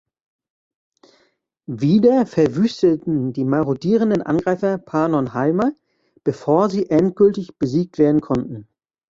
Wieder verwüsteten die marodierenden Angreifer Pannonhalma, bevor sie endgültig besiegt werden konnten.